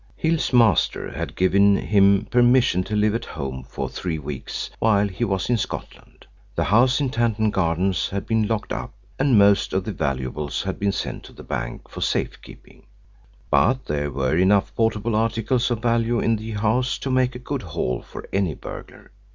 Hill's master had given him permission to live at home for three weeks while he was in Scotland. The house in Tanton Gardens had been locked up and most of the valuables had been sent to the bank for safe keeping, but there were enough portable articles of value in the house to make a good haul for any burglar.